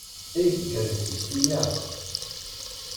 Ay tgerrez tekti-a!